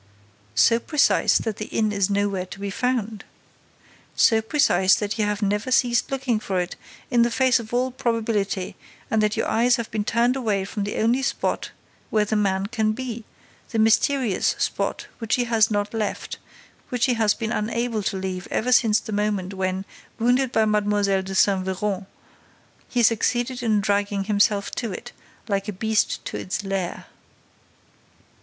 "So precise that the inn is nowhere to be found." "So precise that you have never ceased looking for it, in the face of all probability, and that your eyes have been turned away from the only spot where the man can be, the mysterious spot which he has not left, which he has been unable to leave ever since the moment when, wounded by Mlle. de Saint Véran, he succeeded in dragging himself to it, like a beast to its lair."